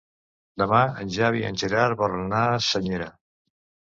Demà en Xavi i en Gerard volen anar a Senyera.